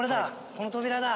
この扉だ。